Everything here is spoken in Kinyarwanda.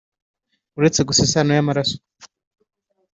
uretse gusa isano y'amaraso!